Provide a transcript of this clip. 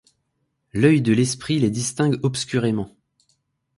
L’œil de l’esprit les distingue obscurément.